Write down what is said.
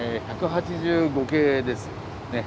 １８５形ですね。